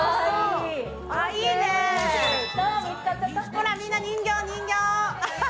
ほら、みんな、人形人形。